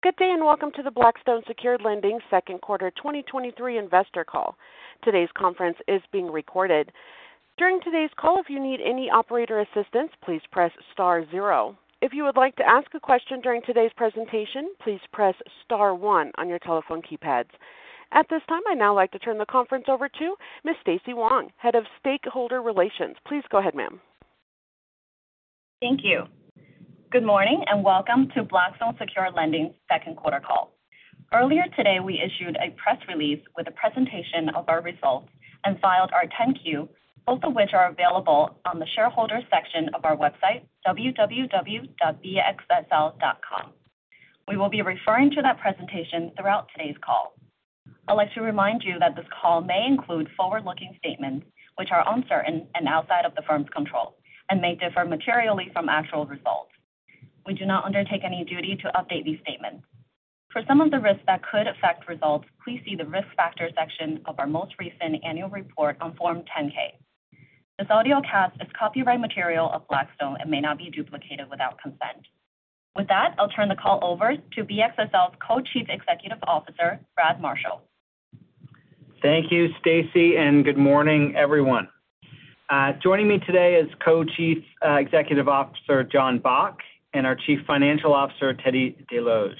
Good day, welcome to the Blackstone Secured Lending Q2 2023 investor call. Today's conference is being recorded. During today's call, if you need any operator assistance, please press star zero. If you would like to ask a question during today's presentation, please press star one on your telephone keypads. At this time, I'd now like to turn the conference over to Miss Stacy Wang, Head of Stakeholder Relations. Please go ahead, ma'am. Thank you. Good morning, welcome to Blackstone Secured Lending Q2 call. Earlier today, we issued a press release with a presentation of our results and filed our 10-Q, both of which are available on the Shareholders section of our website, www.bxsl.com. We will be referring to that presentation throughout today's call. I'd like to remind you that this call may include forward-looking statements which are uncertain and outside of the firm's control and may differ materially from actual results. We do not undertake any duty to update these statements. For some of the risks that could affect results, please see the Risk Factors section of our most recent annual report on Form 10-K. This audio cast is copyright material of Blackstone and may not be duplicated without consent. With that, I'll turn the call over to BXSL's Co-CEO, Brad Marshall. Thank you, Stacy. Good morning, everyone. Joining me today is Co-CEO, Jon Bock, and our CFO, Teddy Desloge.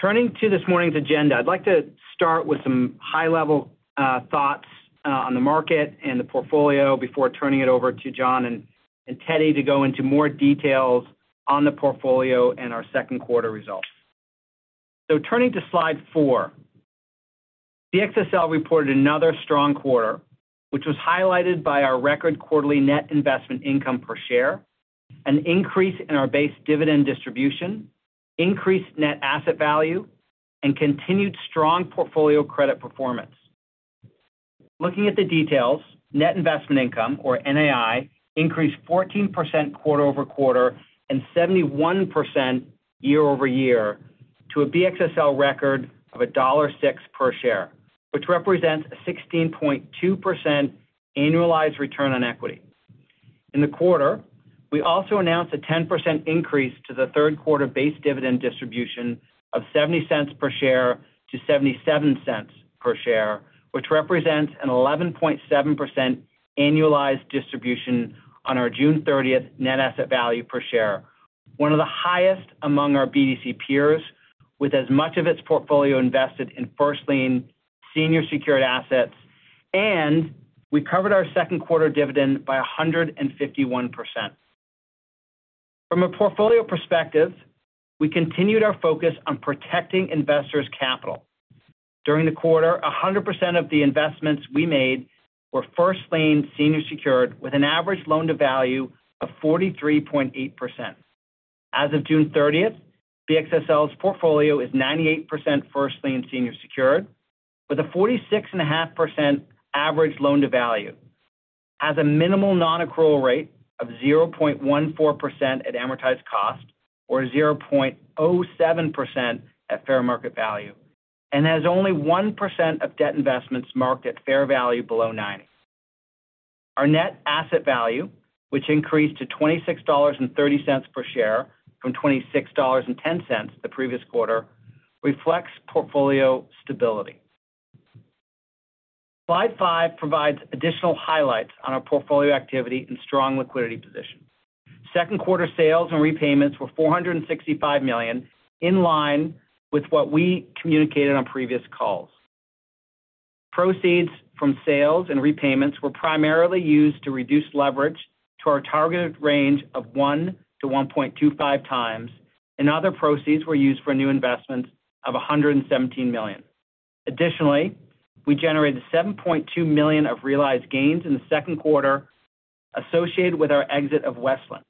Turning to this morning's agenda, I'd like to start with some high-level thoughts on the market and the portfolio before turning it over to Jon and Teddy to go into more details on the portfolio and our Q2 results. Turning to slide four, BXSL reported another strong quarter, which was highlighted by our record quarterly net investment income per share, an increase in our base dividend distribution, increased net asset value, and continued strong portfolio credit performance. Looking at the details, net investment income, or NII, increased 14% quarter-over-quarter and 71% year-over-year to a BXSL record of $1.06 per share, which represents a 16.2% annualized return on equity. In the quarter, we also announced a 10% increase to the Q3 base dividend distribution of $0.70 per share to $0.77 per share, which represents an 11.7% annualized distribution on our June 30th net asset value per share. One of the highest among our BDC peers, with as much of its portfolio invested in first lien senior secured assets, and we covered our Q2 dividend by 151%. From a portfolio perspective, we continued our focus on protecting investors' capital. During the quarter, 100% of the investments we made were first lien senior secured, with an average loan-to-value of 43.8%. As of June 30th, BXSL's portfolio is 98% first lien senior secured, with a 46.5% average loan to value, has a minimal non-accrual rate of 0.14% at amortized cost or 0.07% at fair market value, and has only 1% of debt investments marked at fair value below 90. Our net asset value, which increased to $26.30 per share from $26.10 the previous quarter, reflects portfolio stability. Slide five provides additional highlights on our portfolio activity and strong liquidity position. Second quarter sales and repayments were $465 million, in line with what we communicated on previous calls. Proceeds from sales and repayments were primarily used to reduce leverage to our targeted range of 1-1.25x. Other proceeds were used for new investments of $117 million. Additionally, we generated $7.2 million of realized gains in the 2Q associated with our exit of Westland.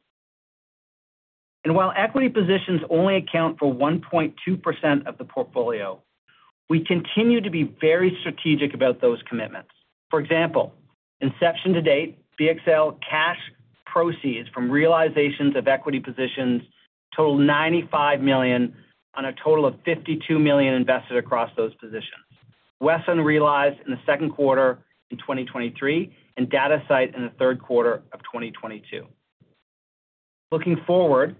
While equity positions only account for 1.2% of the portfolio, we continue to be very strategic about those commitments. For example, inception to date, BXSL cash proceeds from realizations of equity positions total $95 million on a total of $52 million invested across those positions. Westland realized in the 2Q 2023 and Datasite in the 3Q 2022. Looking forward,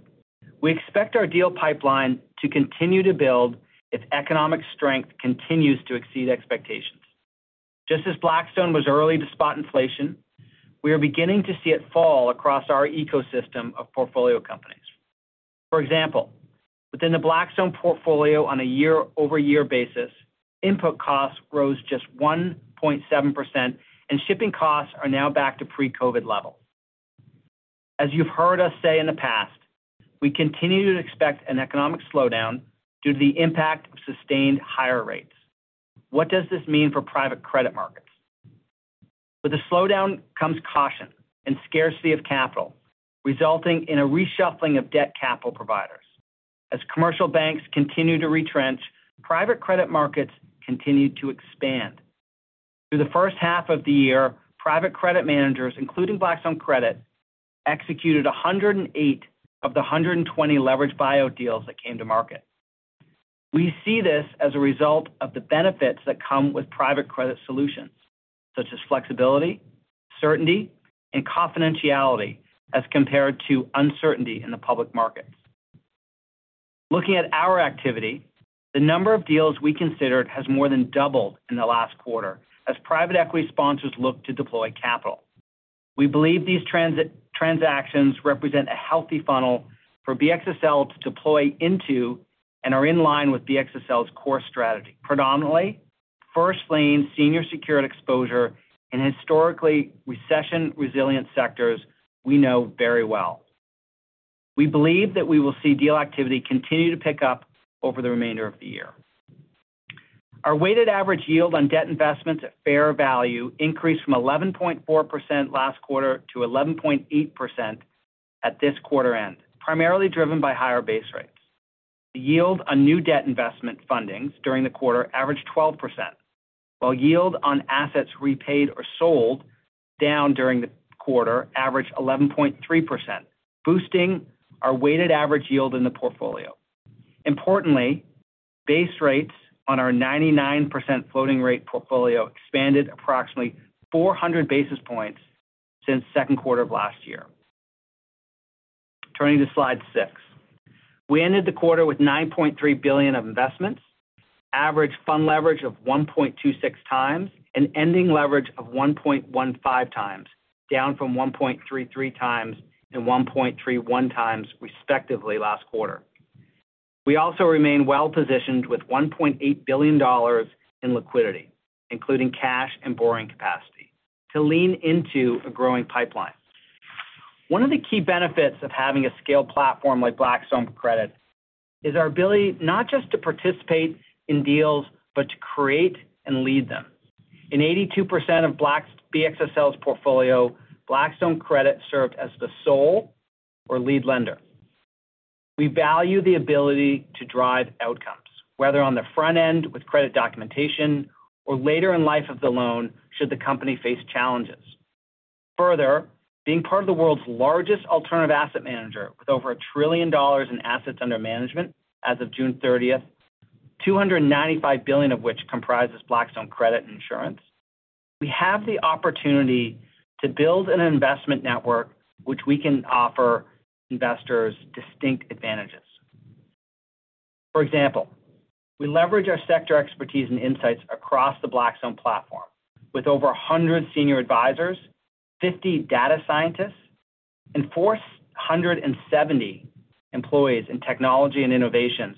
we expect our deal pipeline to continue to build if economic strength continues to exceed expectations. Just as Blackstone was early to spot inflation, we are beginning to see it fall across our ecosystem of portfolio companies. For example, within the Blackstone portfolio on a year-over-year basis, input costs rose just 1.7%, shipping costs are now back to pre-COVID levels. As you've heard us say in the past, we continue to expect an economic slowdown due to the impact of sustained higher rates. What does this mean for private credit markets? With the slowdown comes caution and scarcity of capital, resulting in a reshuffling of debt capital providers. As commercial banks continue to retrench, private credit markets continue to expand. Through the first half of the year, private credit managers, including Blackstone Credit, executed 108 of the 120 leveraged buyout deals that came to market. We see this as a result of the benefits that come with private credit solutions, such as flexibility, certainty, and confidentiality, as compared to uncertainty in the public market. Looking at our activity, the number of deals we considered has more than doubled in the last quarter as private equity sponsors look to deploy capital. We believe these transactions represent a healthy funnel for BXSL to deploy into and are in line with BXSL's core strategy. Predominantly, first lien senior secured exposure in historically recession-resilient sectors we know very well. We believe that we will see deal activity continue to pick up over the remainder of the year. Our weighted average yield on debt investments at fair value increased from 11.4% last quarter to 11.8% at this quarter end, primarily driven by higher base rates. The yield on new debt investment fundings during the quarter averaged 12%, while yield on assets repaid or sold down during the quarter averaged 11.3%, boosting our weighted average yield in the portfolio. Importantly, base rates on our 99% floating rate portfolio expanded approximately 400 basis points since Q2 of last year. Turning to slide six. We ended the quarter with $9.3 billion of investments, average fund leverage of 1.26x, and ending leverage of 1.15x, down from 1.33x and 1.31x, respectively, last quarter. We also remain well-positioned with $1.8 billion in liquidity, including cash and borrowing capacity, to lean into a growing pipeline. One of the key benefits of having a scaled platform like Blackstone Credit is our ability not just to participate in deals, but to create and lead them. In 82% of BXSL's portfolio, Blackstone Credit served as the sole or lead lender. We value the ability to drive outcomes, whether on the front end with credit documentation or later in life of the loan, should the company face challenges. Further, being part of the world's largest alternative asset manager with over $1 trillion in assets under management as of June 30, $295 billion of which comprises Blackstone Credit insurance, we have the opportunity to build an investment network which we can offer investors distinct advantages. For example, we leverage our sector expertise and insights across the Blackstone platform with over 100 senior advisors, 50 data scientists, and 470 employees in technology and innovations,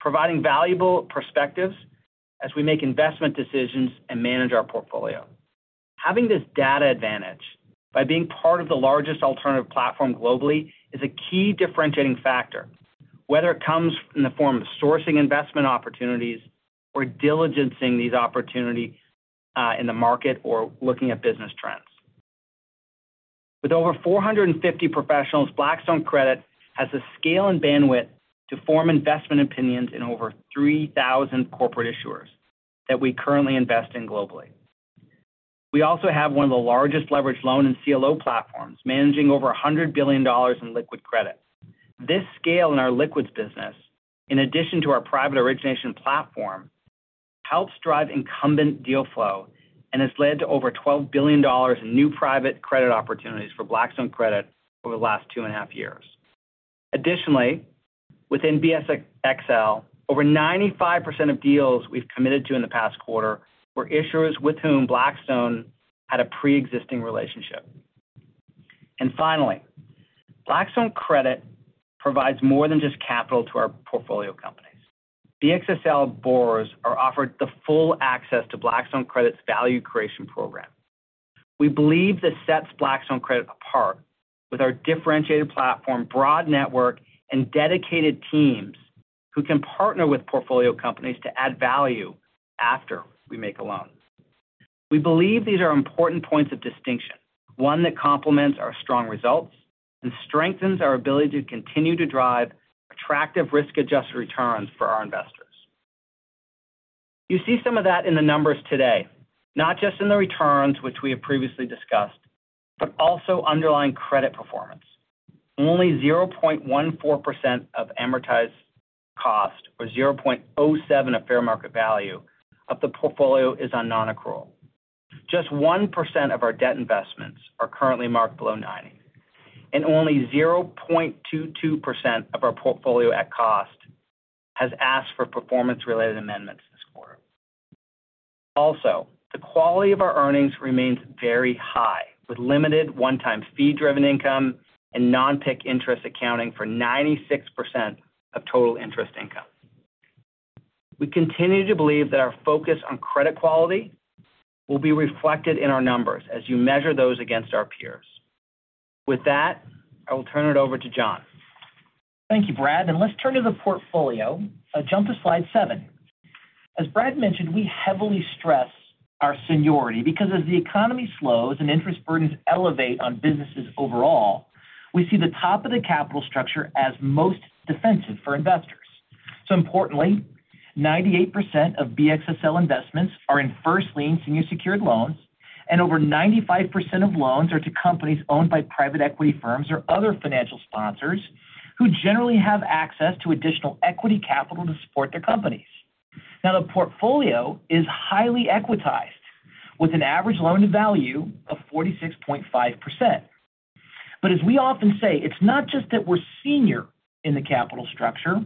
providing valuable perspectives as we make investment decisions and manage our portfolio. Having this data advantage by being part of the largest alternative platform globally is a key differentiating factor, whether it comes in the form of sourcing investment opportunities or diligencing these opportunity in the market or looking at business trends. With over 450 professionals, Blackstone Credit has the scale and bandwidth to form investment opinions in over 3,000 corporate issuers that we currently invest in globally. We also have one of the largest leveraged loan and CLO platforms, managing over $100 billion in liquid credit. This scale in our liquids business, in addition to our private origination platform, helps drive incumbent deal flow and has led to over $12 billion in new private credit opportunities for Blackstone Credit over the last 2.5 years. Additionally, within BXSL, over 95% of deals we've committed to in the past quarter were issuers with whom Blackstone had a pre-existing relationship. Finally, Blackstone Credit provides more than just capital to our portfolio companies. BXSL borrowers are offered the full access to Blackstone Credit's value creation program. We believe this sets Blackstone Credit apart with our differentiated platform, broad network, and dedicated teams who can partner with portfolio companies to add value after we make a loan. We believe these are important points of distinction, one that complements our strong results and strengthens our ability to continue to drive attractive risk-adjusted returns for our investors. You see some of that in the numbers today, not just in the returns, which we have previously discussed, but also underlying credit performance. Only 0.14% of amortized cost, or 0.07 of fair market value, of the portfolio is on non-accrual. Just 1% of our debt investments are currently marked below 90, and only 0.22% of our portfolio at cost has asked for performance-related amendments this quarter. The quality of our earnings remains very high, with limited one-time fee-driven income and non-PIK interest accounting for 96% of total interest income. We continue to believe that our focus on credit quality will be reflected in our numbers as you measure those against our peers. With that, I will turn it over to Jon. Thank you, Brad. Let's turn to the portfolio. Jump to slide seven. As Brad mentioned, we heavily stress our seniority because as the economy slows and interest burdens elevate on businesses overall, we see the top of the capital structure as most defensive for investors. Importantly, 98% of BXSL investments are in first lien senior secured loans. Over 95% of loans are to companies owned by private equity firms or other financial sponsors, who generally have access to additional equity capital to support their companies. Now, the portfolio is highly equitized, with an average loan-to-value of 46.5%. As we often say, it's not just that we're senior in the capital structure.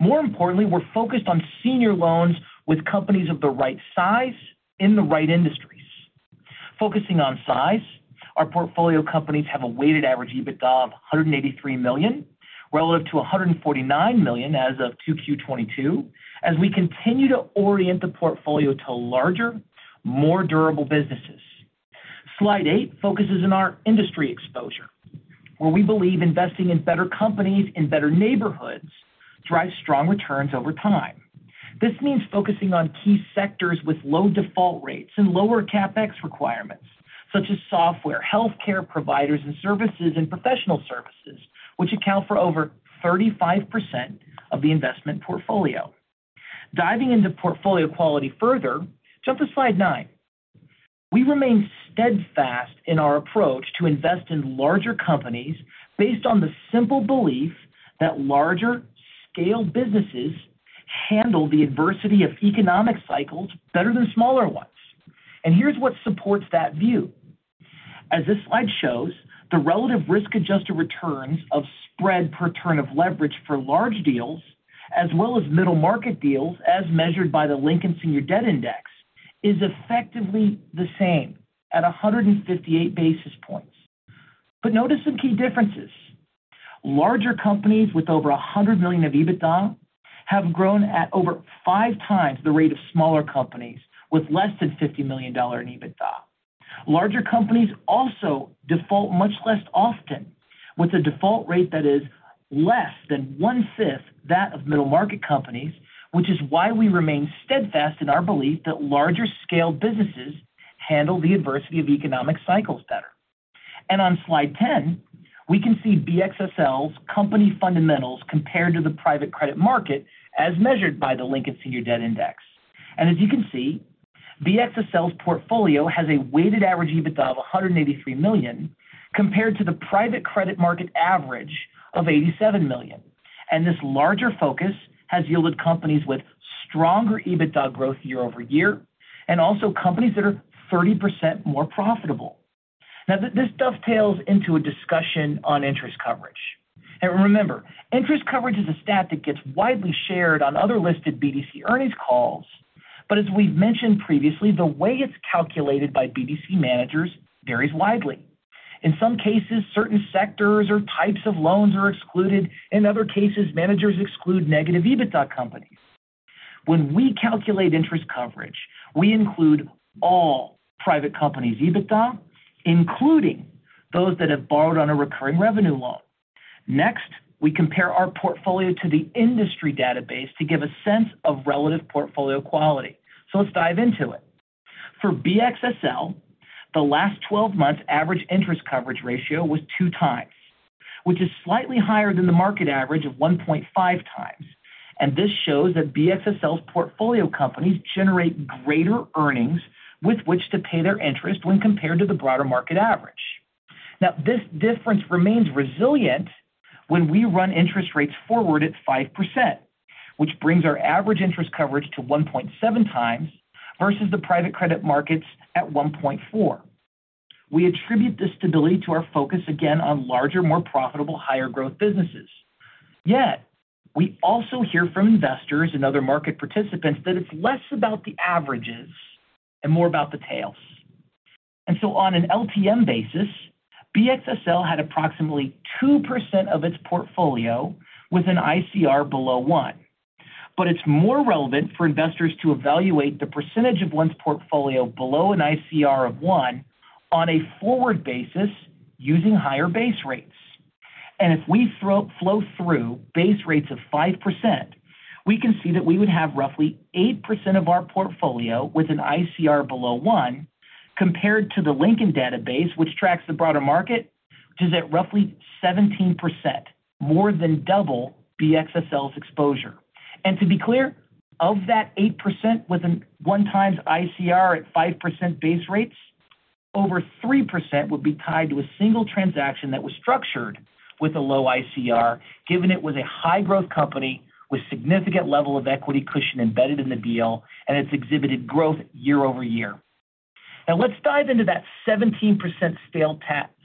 More importantly, we're focused on senior loans with companies of the right size in the right industries. Focusing on size, our portfolio companies have a weighted average EBITDA of $183 million, relative to $149 million as of 2Q 2022, as we continue to orient the portfolio to larger, more durable businesses. Slide eight focuses on our industry exposure, where we believe investing in better companies, in better neighborhoods, drives strong returns over time. This means focusing on key sectors with low default rates and lower CapEx requirements, such as software, healthcare providers and services, and professional services, which account for over 35% of the investment portfolio. Diving into portfolio quality further, jump to slide nine. We remain steadfast in our approach to invest in larger companies based on the simple belief that larger scaled businesses handle the adversity of economic cycles better than smaller ones. Here's what supports that view. As this slide shows, the relative risk-adjusted returns of spread per turn of leverage for large deals, as well as middle-market deals, as measured by the Lincoln Senior Debt Index, is effectively the same at 158 basis points. Notice some key differences. Larger companies with over $100 million of EBITDA have grown at over 5x the rate of smaller companies with less than $50 million in EBITDA. Larger companies also default much less often, with a default rate that is less than one-fifth that of middle-market companies, which is why we remain steadfast in our belief that larger-scale businesses handle the adversity of economic cycles better. On slide 10, we can see BXSL's company fundamentals compared to the private credit market, as measured by the Lincoln Senior Debt Index. As you can see, BXSL's portfolio has a weighted average EBITDA of $183 million, compared to the private credit market average of $87 million. This larger focus has yielded companies with stronger EBITDA growth year-over-year, and also companies that are 30% more profitable. Now, this dovetails into a discussion on interest coverage. Remember, interest coverage is a stat that gets widely shared on other listed BDC earnings calls. As we've mentioned previously, the way it's calculated by BDC managers varies widely. In some cases, certain sectors or types of loans are excluded. In other cases, managers exclude negative EBITDA companies. When we calculate interest coverage, we include all private companies' EBITDA, including those that have borrowed on a recurring revenue loan. Next, we compare our portfolio to the industry database to give a sense of relative portfolio quality. Let's dive into it. For BXSL, the last 12 months' average interest coverage ratio was 2x, which is slightly higher than the market average of 1.5x. This shows that BXSL's portfolio companies generate greater earnings with which to pay their interest when compared to the broader market average. Now, this difference remains resilient when we run interest rates forward at 5%, which brings our average interest coverage to 1.7x versus the private credit markets at 1.4. We attribute this stability to our focus, again, on larger, more profitable, higher growth businesses. We also hear from investors and other market participants that it's less about the averages and more about the tails. On an LTM basis, BXSL had approximately 2% of its portfolio with an ICR below one. It's more relevant for investors to evaluate the percentage of one's portfolio below an ICR of 1 on a forward basis using higher base rates. If we flow through base rates of 5%, we can see that we would have roughly 8% of our portfolio with an ICR below 1, compared to the Lincoln database, which tracks the broader market, which is at roughly 17%, more than double BXSL's exposure. To be clear, of that 8% with a 1x ICR at 5% base rates, over 3% would be tied to a single transaction that was structured with a low ICR, given it was a high-growth company with significant level of equity cushion embedded in the deal, and it's exhibited growth year-over-year. Let's dive into that 17% uncertain,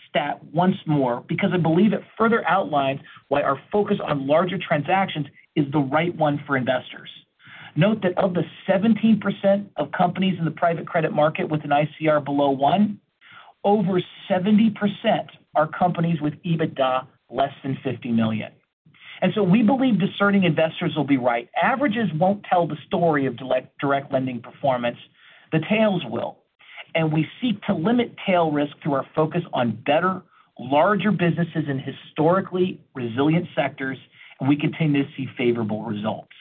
stat once more because I believe it further outlines why our focus on larger transactions is the right one for investors. Note that of the 17% of companies in the private credit market with an ICR below 1, over 70% are companies with EBITDA less than $50 million. We believe discerning investors will be right. Averages won't tell the story of direct lending performance. The tails will. We seek to limit tail risk through our focus on better, larger businesses in historically resilient sectors, and we continue to see favorable results.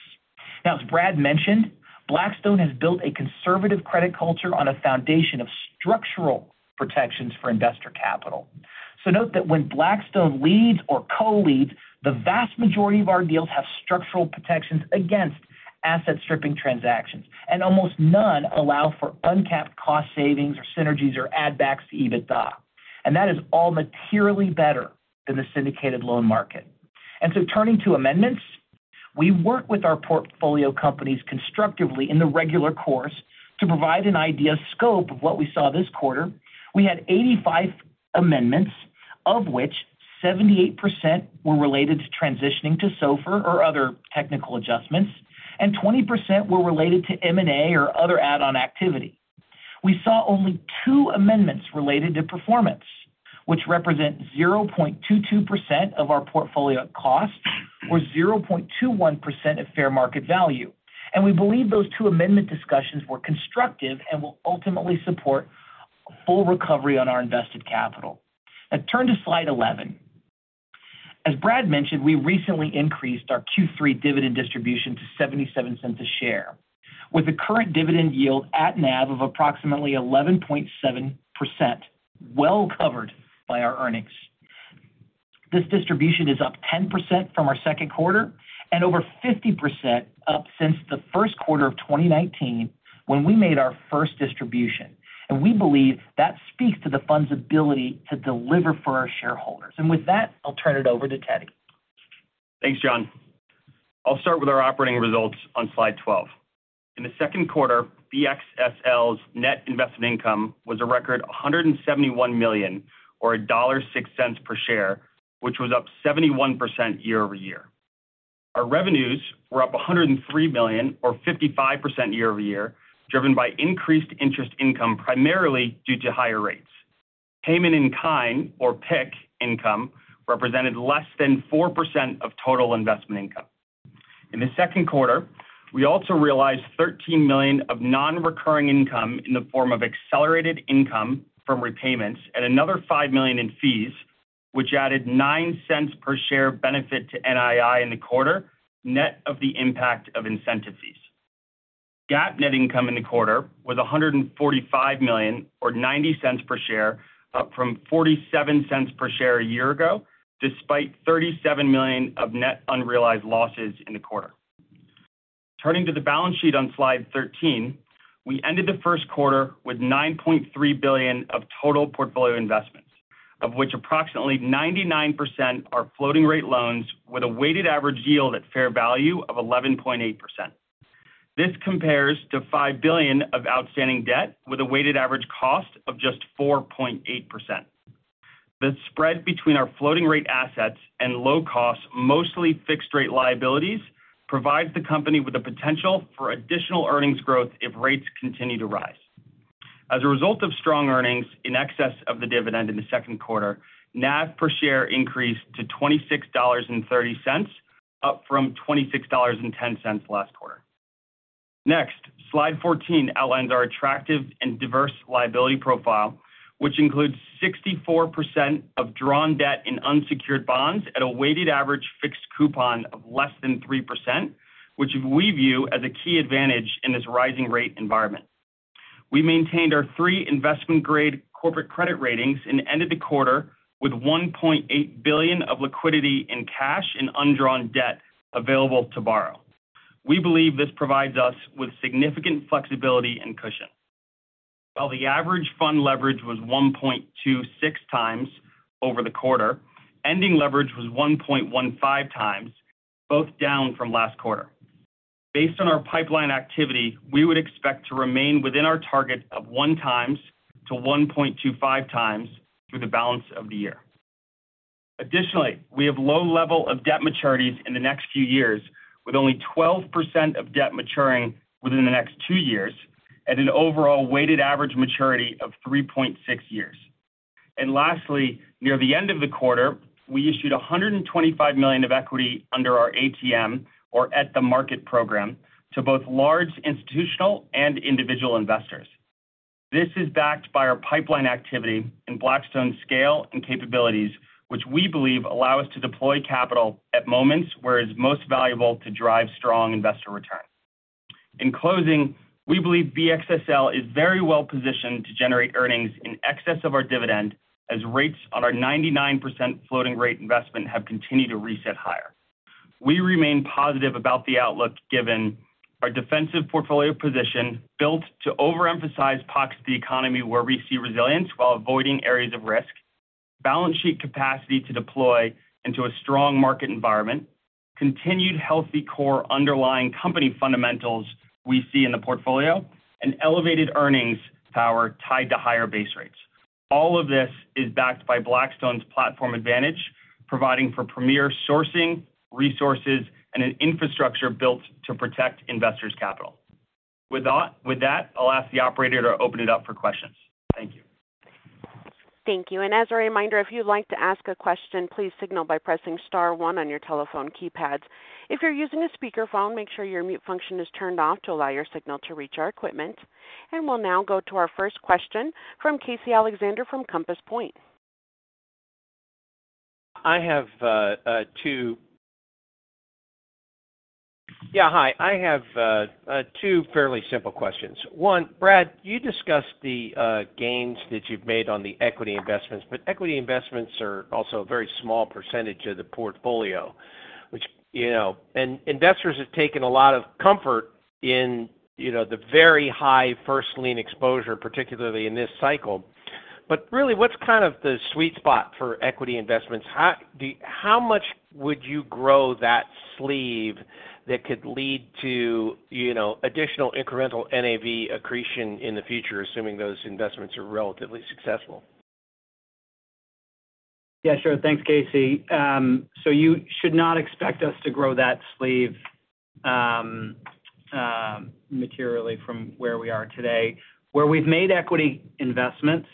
As Brad mentioned, Blackstone has built a conservative credit culture on a foundation of structural protections for investor capital. Note that when Blackstone leads or co-leads, the vast majority of our deals have structural protections against asset stripping transactions, and almost none allow for uncapped cost savings or synergies or add backs to EBITDA. That is all materially better than the syndicated loan market. Turning to amendments, we work with our portfolio companies constructively in the regular course to provide an idea scope of what we saw this quarter. We had 85 amendments, of which 78% were related to transitioning to SOFR or other technical adjustments, and 20% were related to M&A or other add-on activity. We saw only two amendments related to performance, which represent 0.22% of our portfolio at cost, or 0.21% at fair market value. We believe those two amendment discussions were constructive and will ultimately support full recovery on our invested capital. Turn to slide 11. As Brad mentioned, we recently increased our Q3 dividend distribution to $0.77 a share, with the current dividend yield at NAV of approximately 11.7%, well covered by our earnings. This distribution is up 10% from our Q2 and over 50% up since the first quarter of 2019, when we made our first distribution. We believe that speaks to the fund's ability to deliver for our shareholders. With that, I'll turn it over to Teddy. Thanks, Jon. I'll start with our operating results on slide 12. In the Q2, BXSL's net investment income was a record $171 million, or $1.06 per share, which was up 71% year-over-year. Our revenues were up $103 million, or 55% year-over-year, driven by increased interest income, primarily due to higher rates. Payment in kind, or PIK income, represented less than 4% of total investment income. In the Q2, we also realized $13 million of nonrecurring income in the form of accelerated income from repayments and another $5 million in fees, which added $0.09 per share benefit to NII in the quarter, net of the impact of incentive fees. GAAP net income in the quarter was $145 million, or $0.90 per share, up from $0.47 per share a year ago, despite $37 million of net unrealized losses in the quarter. Turning to the balance sheet on slide 13, we ended the first quarter with $9.3 billion of total portfolio investments, of which approximately 99% are floating rate loans with a weighted average yield at fair value of 11.8%. This compares to $5 billion of outstanding debt with a weighted average cost of just 4.8%. The spread between our floating rate assets and low cost, mostly fixed rate liabilities, provides the company with the potential for additional earnings growth if rates continue to rise. As a result of strong earnings in excess of the dividend in the Q2, NAV per share increased to $26.30, up from $26.10 last quarter. Next, slide 14 outlines our attractive and diverse liability profile, which includes 64% of drawn debt in unsecured bonds at a weighted average fixed coupon of less than 3%, which we view as a key advantage in this rising rate environment. We maintained our three investment grade corporate credit ratings and ended the quarter with $1.8 billion of liquidity in cash and undrawn debt available to borrow. We believe this provides us with significant flexibility and cushion. While the average fund leverage was 1.26x over the quarter, ending leverage was 1.15x, both down from last quarter. Based on our pipeline activity, we would expect to remain within our target of 1x to 1.25x through the balance of the year. Additionally, we have low level of debt maturities in the next few years, with only 12% of debt maturing within the next two years and an overall weighted average maturity of 3.6 years. Lastly, near the end of the quarter, we issued $125 million of equity under our ATM, or at the market program, to both large, institutional, and individual investors. This is backed by our pipeline activity in Blackstone's scale and capabilities, which we believe allow us to deploy capital at moments where it's most valuable to drive strong investor returns. In closing, we believe BXSL is very well positioned to generate earnings in excess of our dividend, as rates on our 99% floating rate investment have continued to reset higher. We remain positive about the outlook, given our defensive portfolio position, built to overemphasize parts of the economy where we see resilience while avoiding areas of risk, balance sheet capacity to deploy into a strong market environment, continued healthy core underlying company fundamentals we see in the portfolio, and elevated earnings power tied to higher base rates. All of this is backed by Blackstone's platform advantage, providing for premier sourcing, resources, and an infrastructure built to protect investors' capital. With that, I'll ask the operator to open it up for questions. Thank you. Thank you. As a reminder, if you'd like to ask a question, please signal by pressing star 1 on your telephone keypads. If you're using a speakerphone, make sure your mute function is turned off to allow your signal to reach our equipment. We'll now go to our first question from Casey Alexander from Compass Point. I have two. Yeah, hi. I have two fairly simple questions. One, Brad, you discussed the gains that you've made on the equity investments, Equity investments are also a very small percentage of the portfolio, which, you know, and investors have taken a lot of comfort in, you know, the very high first lien exposure, particularly in this cycle. Really, what's kind of the sweet spot for equity investments? How much would you grow that sleeve that could lead to, you know, additional incremental NAV accretion in the future, assuming those investments are relatively successful? Yeah, sure. Thanks, Casey. You should not expect us to grow that sleeve materially from where we are today. Where we've made equity investments,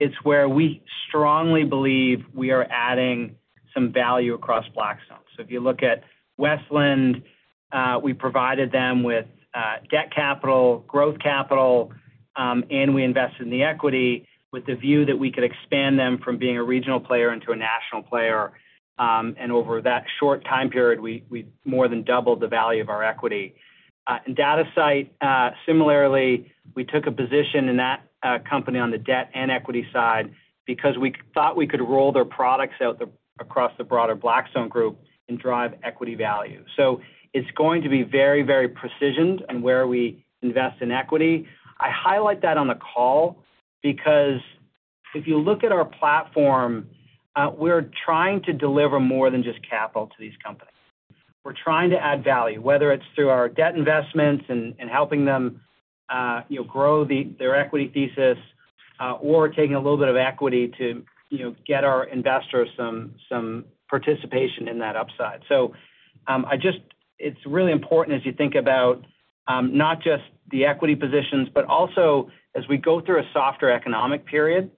it's where we strongly believe we are adding some value across Blackstone. If you look at Westland, we provided them with debt capital, growth capital, and we invested in the equity with the view that we could expand them from being a regional player into a national player. Over that short time period, we, we more than doubled the value of our equity. In Datasite, similarly, we took a position in that company on the debt and equity side because we thought we could roll their products out across the broader Blackstone group and drive equity value. It's going to be very, very precisioned on where we invest in equity. I highlight that on the call because if you look at our platform, we're trying to deliver more than just capital to these companies. We're trying to add value, whether it's through our debt investments and, and helping them, you know, grow the, their equity thesis, or taking a little bit of equity to, you know, get our investors some, some participation in that upside. It's really important as you think about, not just the equity positions, but also as we go through a softer economic period,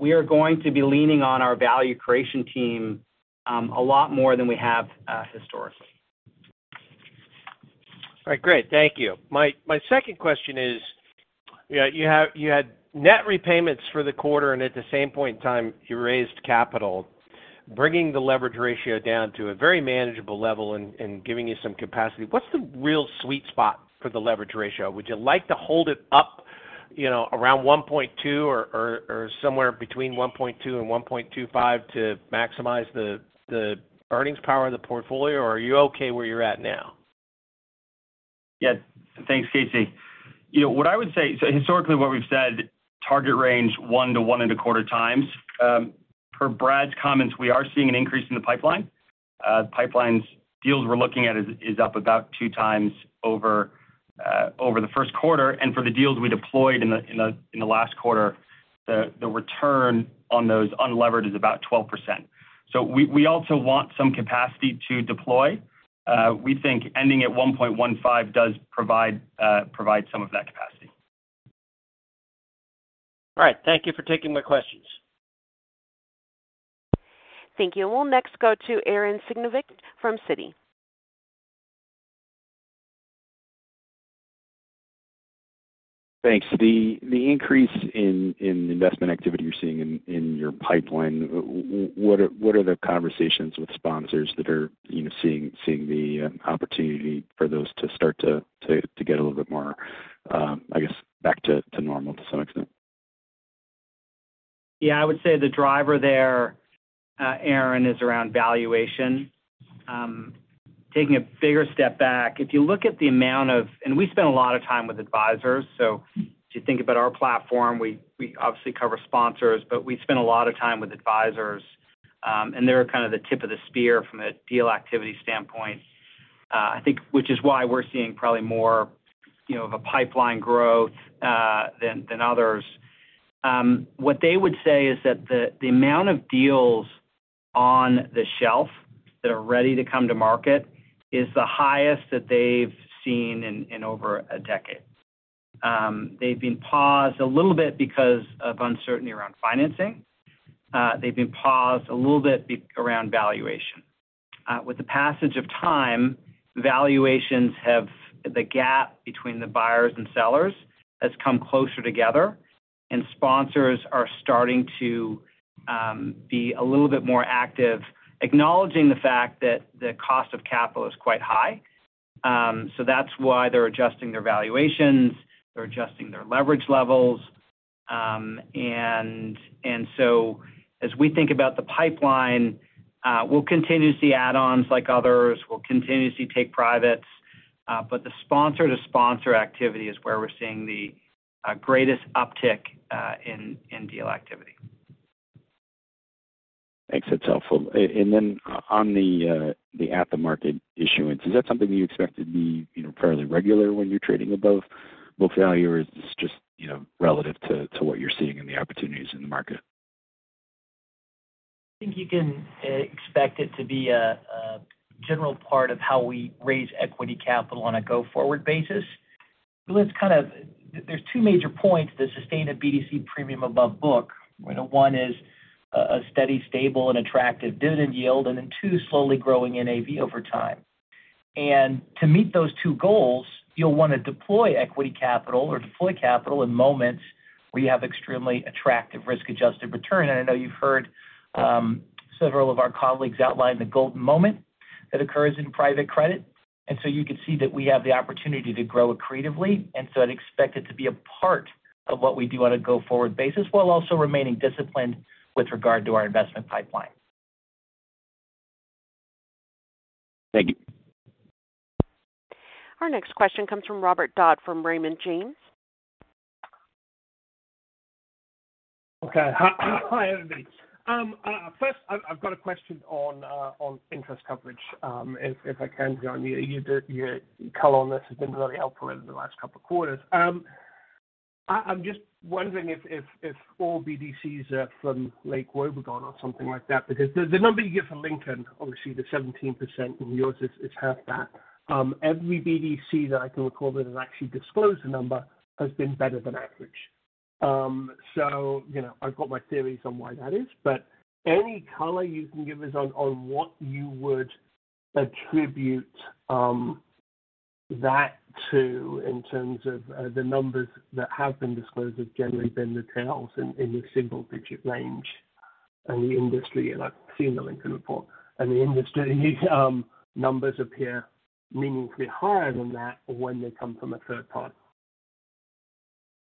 we are going to be leaning on our value creation team, a lot more than we have, historically. All right, great. Thank you. My, my second question is, you know, you have, you had net repayments for the quarter, and at the same point in time, you raised capital, bringing the leverage ratio down to a very manageable level and, and giving you some capacity. What's the real sweet spot for the leverage ratio? Would you like to hold it up, you know, around 1.2 or, or, or somewhere between 1.2 and 1.25 to maximize the, the earnings power of the portfolio, or are you okay where you're at now? Yeah. Thanks, Casey. You know what I would say, so historically, what we've said, target range, 1 to 1.25 times. Per Brad's comments, we are seeing an increase in the pipeline. Pipeline's deals we're looking at is, is up about 2 times over over the first quarter. For the deals we deployed in the, in the, in the last quarter, the, the return on those unlevered is about 12%. We, we also want some capacity to deploy. We think ending at 1.15 does provide provide some of that capacity. All right. Thank you for taking my questions. Thank you. We'll next go to Arren Cyganovich from Citi. Thanks. The increase in investment activity you're seeing in your pipeline, what are, what are the conversations with sponsors that are, you know, seeing, seeing the opportunity for those to start to get a little bit more, I guess, back to normal to some extent? Yeah, I would say the driver there, Arren, is around valuation. Taking a bigger step back, if you look at the amount of... We spend a lot of time with advisors, so if you think about our platform, we, we obviously cover sponsors, but we spend a lot of time with advisors, and they're kind of the tip of the spear from a deal activity standpoint, I think, which is why we're seeing probably more, you know, of a pipeline growth than, than others. What they would say is that the, the amount of deals on the shelf that are ready to come to market is the highest that they've seen in, in over a decade. They've been paused a little bit because of uncertainty around financing. They've been paused a little bit around valuation. With the passage of time, valuations have, the gap between the buyers and sellers has come closer together. Sponsors are starting to be a little bit more active, acknowledging the fact that the cost of capital is quite high. That's why they're adjusting their valuations, they're adjusting their leverage levels. As we think about the pipeline, we'll continue to see add-ons like others. We'll continue to see take privates. The sponsor-to-sponsor activity is where we're seeing the greatest uptick in deal activity. Thanks. That's helpful. Then on the at-the-market issuance, is that something you expect to be, you know, fairly regular when you're trading above book value, or is this just, you know, relative to what you're seeing in the opportunities in the market? I think you can expect it to be a general part of how we raise equity capital on a go-forward basis. There's two major points that sustain a BDC premium above book, you know, one is a steady, stable, and attractive dividend yield, and then two, slowly growing NAV over time. To meet those two goals, you'll want to deploy equity capital or deploy capital in moments-... we have extremely attractive risk-adjusted return. I know you've heard, several of our colleagues outline the golden moment that occurs in private credit. You can see that we have the opportunity to grow accretively, and so I'd expect it to be a part of what we do on a go-forward basis, while also remaining disciplined with regard to our investment pipeline. Thank you. Our next question comes from Robert Dodd from Raymond James. Okay. Hi, hi, everybody. First, I've, I've got a question on interest coverage. If, if I can, Jon, your color on this has been really helpful in the last couple of quarters. I, I'm just wondering if, if, if all BDCs are from Lake Wobegon or something like that, because the, the number you get from Lincoln, obviously, the 17%, and yours is, is half that. Every BDC that I can recall that has actually disclosed the number has been better than average. You know, I've got my theories on why that is, but any color you can give us on, on what you would attribute that to in terms of the numbers that have been disclosed have generally been the tails in, in the single-digit range. The industry, and I've seen the Lincoln report, and the industry, numbers appear meaningfully higher than that when they come from a third party.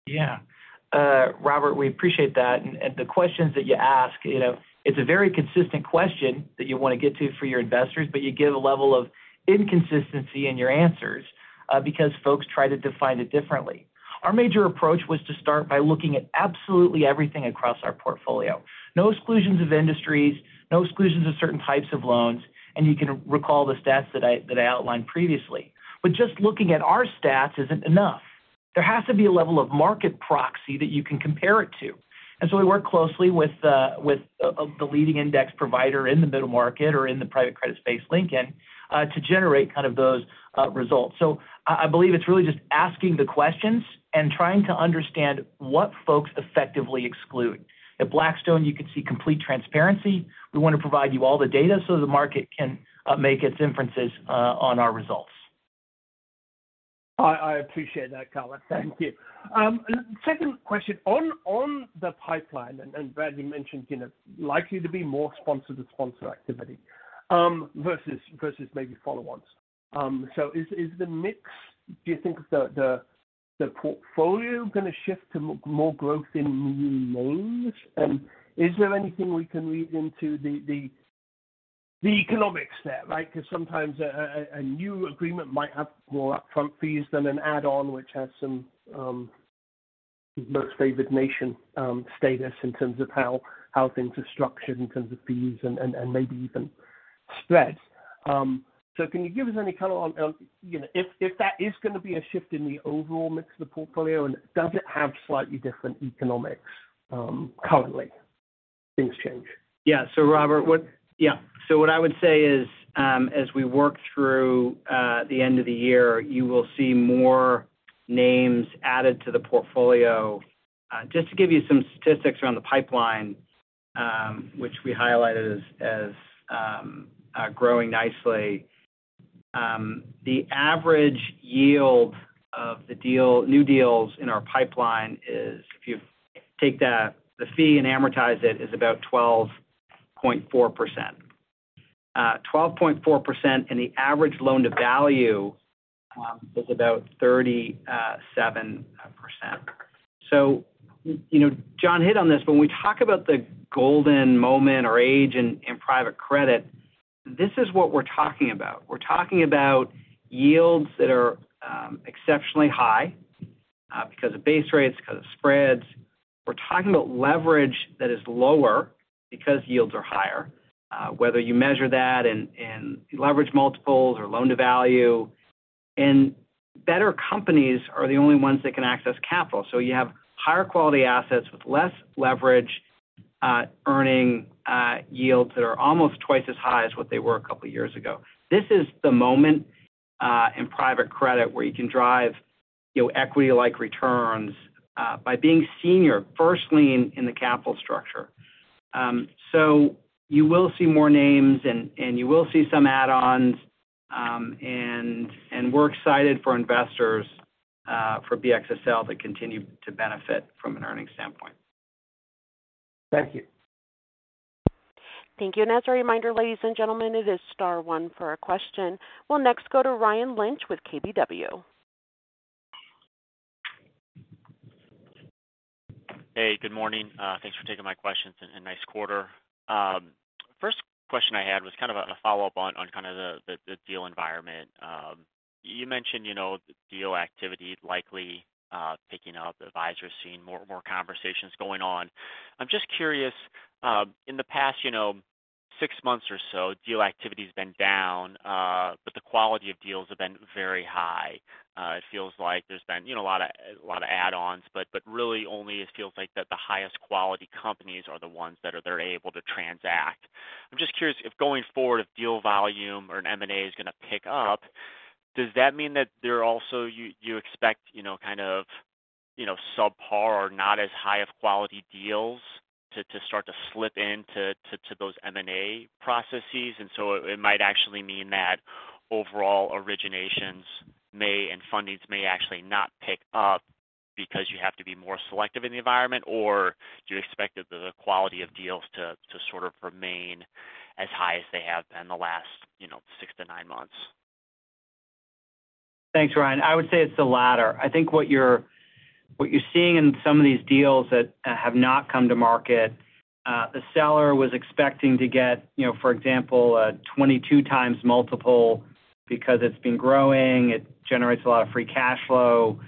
Yeah. Robert, we appreciate that. The questions that you ask, you know, it's a very consistent question that you want to get to for your investors, but you get a level of inconsistency in your answers because folks try to define it differently. Our major approach was to start by looking at absolutely everything across our portfolio. No exclusions of industries, no exclusions of certain types of loans, you can recall the stats that I, that I outlined previously. Just looking at our stats isn't enough. There has to be a level of market proxy that you can compare it to. So we work closely with the, with the leading index provider in the middle market or in the private credit space, Lincoln, to generate kind of those results. I, I believe it's really just asking the questions and trying to understand what folks effectively exclude. At Blackstone, you can see complete transparency. We want to provide you all the data so the market can make its inferences on our results. I, I appreciate that, color. Thank you. Second question, on, on the pipeline, and, and Brad, you mentioned, you know, likely to be more sponsor-to-sponsor activity, versus, versus maybe follow-ons. So is, is the mix... Do you think the, the, the portfolio gonna shift to m- more growth in new names? And is there anything we can read into the, the, the economics there, right? Because sometimes a, a, a new agreement might have more upfront fees than an add-on, which has some, Most Favored Nation, status in terms of how, how things are structured in terms of fees and, and, and maybe even spreads. So can you give us any color on, on, you know, if, if that is gonna be a shift in the overall mix of the portfolio, and does it have slightly different economics, currently? Things change. Yeah. Robert. What I would say is, as we work through the end of the year, you will see more names added to the portfolio. Just to give you some statistics around the pipeline, which we highlighted as growing nicely. The average yield of the deal, new deals in our pipeline is, if you take the, the fee and amortize it, is about 12.4%. 12.4%. The average loan-to-value is about 37%. You know, Jon hit on this. When we talk about the golden moment or age in private credit, this is what we're talking about. We're talking about yields that are exceptionally high because of base rates, because of spreads. We're talking about leverage that is lower because yields are higher, whether you measure that in, in leverage multiples or loan-to-value. Better companies are the only ones that can access capital. You have higher quality assets with less leverage, earning, yields that are almost twice as high as what they were a couple of years ago. This is the moment in private credit where you can drive, you know, equity-like returns, by being senior, first lien in the capital structure. You will see more names, and you will see some add-ons, and we're excited for investors, for BXSL to continue to benefit from an earnings standpoint. Thank you. Thank you. As a reminder, ladies and gentlemen, it is star one for a question. We'll next go to Ryan Lynch with KBW. Hey, good morning. Thanks for taking my questions. Nice quarter. First question I had was kind of a follow-up on, on kind of the, the deal environment. You mentioned, you know, the deal activity likely picking up, advisors seeing more, more conversations going on. I'm just curious, in the past, you know, six months or so, deal activity has been down, but the quality of deals have been very high. It feels like there's been, you know, a lot of, a lot of add-ons, but really only it feels like that the highest quality companies are the ones they're able to transact. I'm just curious if going forward, if deal volume or an M&A is gonna pick up, does that mean that there are also... You expect, you know, kind of, you know, subpar or not as high of quality deals to start to slip in to those M&A processes? So it might actually mean that overall originations-... may and fundings may actually not pick up because you have to be more selective in the environment? Or do you expect the, the quality of deals to, to sort of remain as high as they have been the last, you know, six to nine months? Thanks, Ryan. I would say it's the latter. I think what you're, what you're seeing in some of these deals that have not come to market, the seller was expecting to get, you know, for example, a 22x multiple because it's been growing, it generates a lot of free cash flow,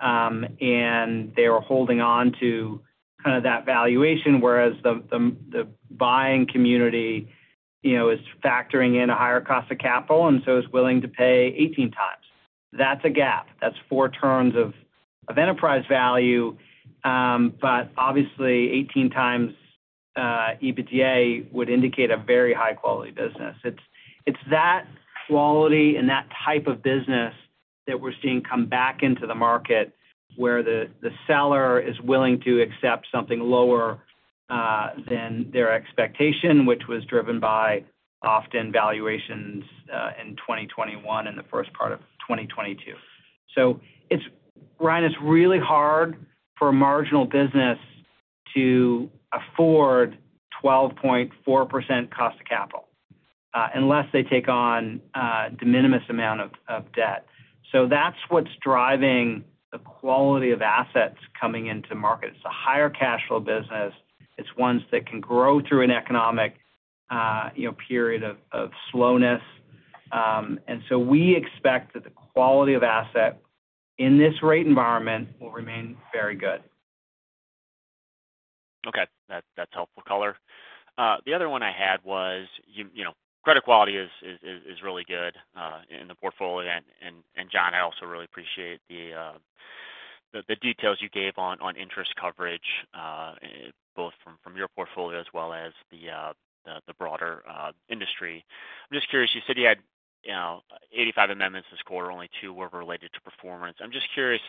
and they were holding on to kind of that valuation. Whereas the, the, the buying community, you know, is factoring in a higher cost of capital, and so is willing to pay 18x. That's a gap. That's 4 terms of, of enterprise value, but obviously, 18x EBITDA would indicate a very high-quality business. It's, it's that quality and that type of business that we're seeing come back into the market, where the, the seller is willing to accept something lower than their expectation, which was driven by often valuations in 2021 and the first part of 2022. It's-- Ryan, it's really hard for a marginal business to afford 12.4% cost of capital unless they take on de minimis amount of debt. That's what's driving the quality of assets coming into market. It's a higher cash flow business. It's ones that can grow through an economic, you know, period of slowness. We expect that the quality of asset in this rate environment will remain very good. Okay. That, that's helpful color. The other one I had was, you know, credit quality is, is, is, is really good in the portfolio. And, and, and Jon, I also really appreciate the, the, the details you gave on, on interest coverage, both from, from your portfolio as well as the, the, the broader industry. I'm just curious, you said you had, you know, 85 amendments this quarter, only two were related to performance. I'm just curious,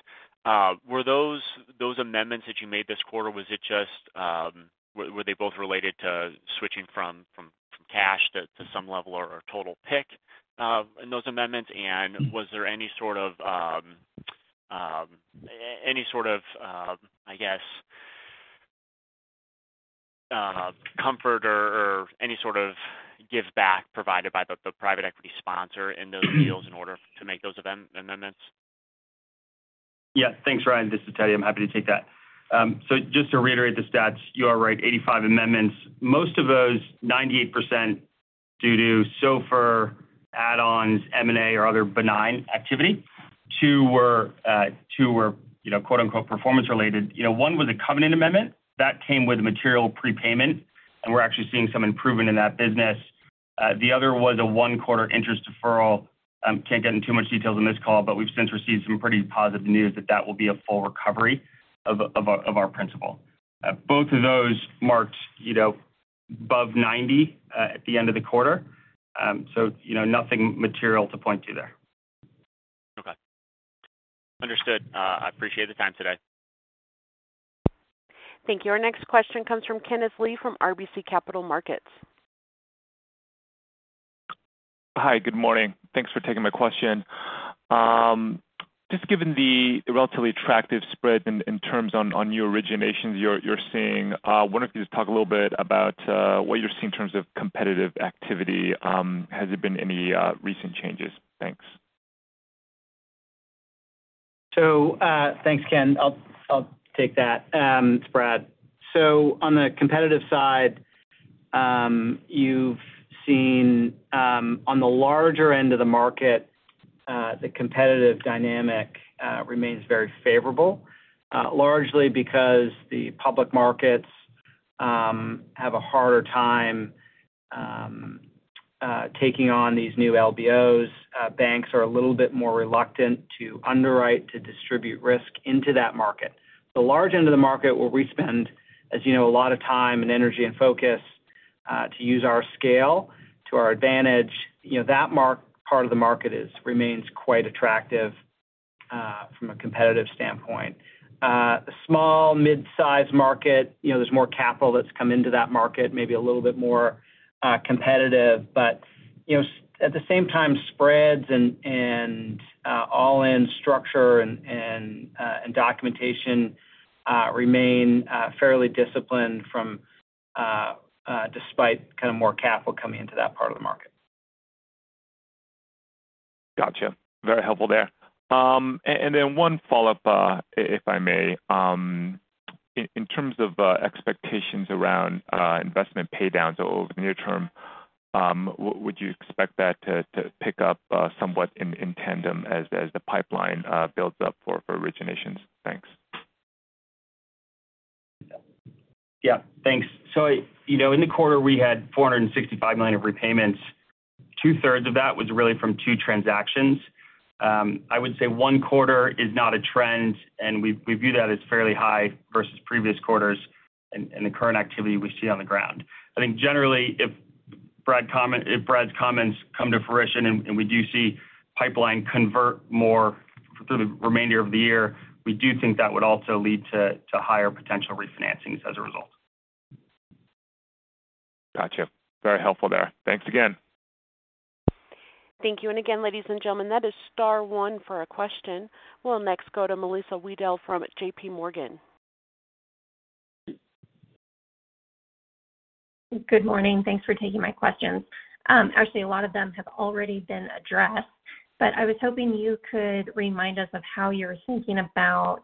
were those, those amendments that you made this quarter, was it just... Were, were they both related to switching from, from, from cash to, to some level or, or total PIC in those amendments? Was there any sort of, any sort of, I guess, comfort or, or any sort of giveback provided by the, the private equity sponsor in those deals in order to make those amendments? Yeah. Thanks, Ryan. This is Teddy. I'm happy to take that. Just to reiterate the stats, you are right, 85 amendments. Most of those, 98%, due to SOFR, add-ons, M&A, or other benign activity. Two were, two were, you know, quote, unquote, "performance-related." You know, one was a covenant amendment that came with a material prepayment, and we're actually seeing some improvement in that business. The other was a one-quarter interest deferral. Can't get into too much details on this call, but we've since received some pretty positive news that that will be a full recovery of, of our, of our principal. Both of those marked, you know, above 90, at the end of the quarter. You know, nothing material to point to there. Okay. Understood. I appreciate the time today. Thank you. Our next question comes from Kenneth Lee, from RBC Capital Markets. Hi, good morning. Thanks for taking my question. Just given the relatively attractive spread in, in terms on, on your originations you're, you're seeing, wonder if you could just talk a little bit about what you're seeing in terms of competitive activity? Has there been any recent changes? Thanks. Thanks, Ken. I'll, I'll take that. It's Brad. On the competitive side, you've seen, on the larger end of the market, the competitive dynamic remains very favorable, largely because the public markets have a harder time taking on these new LBOs. Banks are a little bit more reluctant to underwrite, to distribute risk into that market. The large end of the market, where we spend, as you know, a lot of time and energy and focus, to use our scale to our advantage, you know, that part of the market is, remains quite attractive, from a competitive standpoint. Small, mid-sized market, you know, there's more capital that's come into that market, maybe a little bit more competitive. You know, at the same time, spreads and, and, all-in structure and, and, and documentation, remain fairly disciplined from despite kind of more capital coming into that part of the market. Gotcha. Very helpful there. Then one follow-up, if, if I may. In terms of expectations around investment paydowns over the near term, would you expect that to pick up somewhat in tandem as the pipeline builds up for originations? Thanks. Thanks. You know, in the quarter, we had $465 million of repayments. 2/3 of that was really from two transactions. I would say one quarter is not a trend. We, we view that as fairly high versus previous quarters and the current activity we see on the ground. I think generally, if Brad's comments come to fruition and we do see pipeline convert more through the remainder of the year, we do think that would also lead to, to higher potential re-financings as a result. Gotcha. Very helpful there. Thanks again. Thank you. Again, ladies and gentlemen, that is star one for a question. We'll next go to Melissa Wedel from JPMorgan. Good morning. Thanks for taking my questions. Actually, a lot of them have already been addressed, but I was hoping you could remind us of how you're thinking about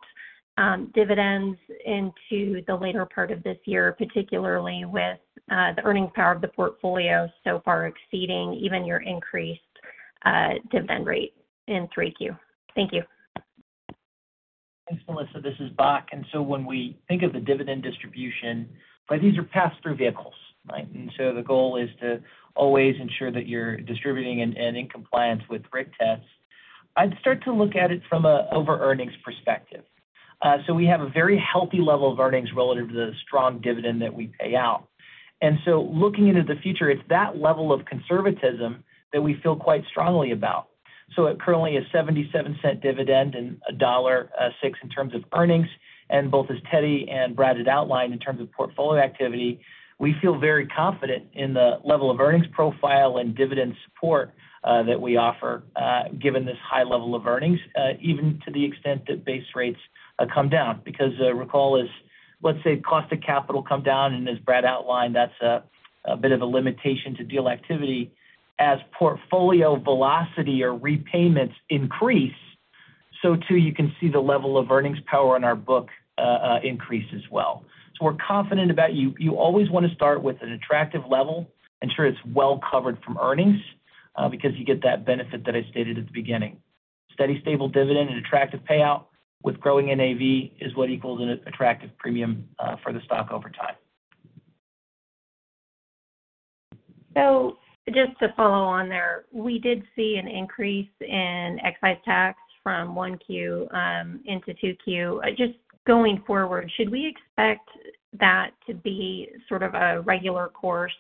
dividends into the later part of this year, particularly with the earnings power of the portfolio so far exceeding even your increased dividend rate in 3Q. Thank you. Thanks, Melissa. This is Bock. When we think of the dividend distribution, but these are pass-through vehicles, right? The goal is to always ensure that you're distributing and in compliance with RIC tests. I'd start to look at it from a over earnings perspective. We have a very healthy level of earnings relative to the strong dividend that we pay out. Looking into the future, it's that level of conservatism that we feel quite strongly about. It currently is $0.77 dividend and $1.06 in terms of earnings. Both as Teddy and Brad had outlined in terms of portfolio activity, we feel very confident in the level of earnings profile and dividend support that we offer, given this high level of earnings, even to the extent that base rates come down. The recall is, let's say, cost of capital come down, and as Brad outlined, that's a bit of a limitation to deal activity. As portfolio velocity or repayments increase, so too, you can see the level of earnings power on our book increase as well. We're confident about you. You always want to start with an attractive level, ensure it's well covered from earnings, because you get that benefit that I stated at the beginning. Steady, stable dividend and attractive payout with growing NAV is what equals an attractive premium for the stock over time. Just to follow on there, we did see an increase in excise tax from 1Q into 2Q. Just going forward, should we expect that to be sort of a regular course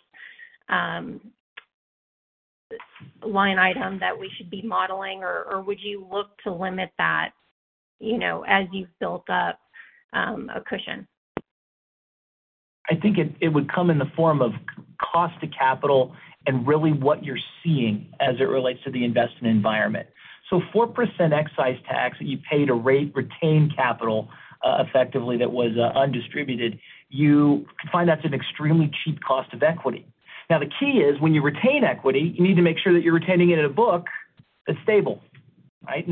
line item that we should be modeling, or, or would you look to limit that, you know, as you've built up a cushion? I think it, it would come in the form of cost to capital and really what you're seeing as it relates to the investment environment. Four percent excise tax that you paid a rate-retained capital, effectively, that was undistributed, you find that's an extremely cheap cost of equity. The key is when you retain equity, you need to make sure that you're retaining it in a book that's stable, right?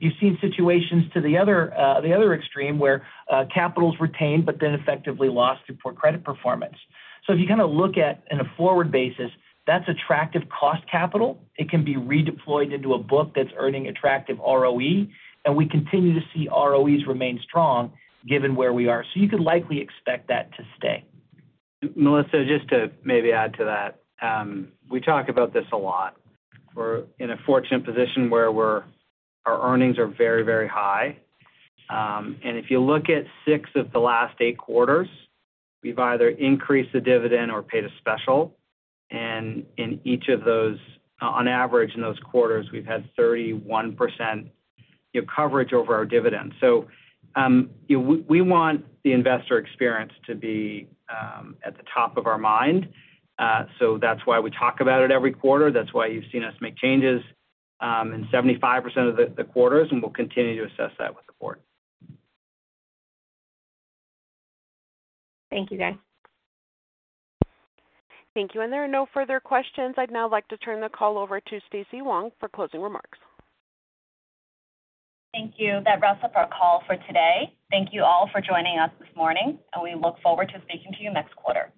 You've seen situations to the other, the other extreme, where capital is retained, but then effectively lost through poor credit performance. If you kind of look at in a forward basis, that's attractive cost capital. It can be redeployed into a book that's earning attractive ROE, and we continue to see ROEs remain strong given where we are. You could likely expect that to stay. Melissa, just to maybe add to that, we talk about this a lot. We're in a fortunate position where our earnings are very, very high. If you look at six of the last eight quarters, we've either increased the dividend or paid a special. In each of those, on average, in those quarters, we've had 31% coverage over our dividends. We, we want the investor experience to be at the top of our mind. That's why we talk about it every quarter. That's why you've seen us make changes in 75% of the quarters, and we'll continue to assess that with the board. Thank you, guys. Thank you. There are no further questions. I'd now like to turn the call over to Stacy Wang for closing remarks. Thank you. That wraps up our call for today. Thank you all for joining us this morning, and we look forward to speaking to you next quarter.